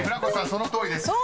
そのとおりです。